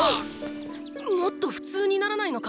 もっと普通にならないのか？